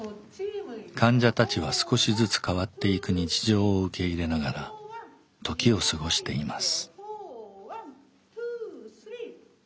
患者たちは少しずつ変わっていく日常を受け入れながら時を過ごしています。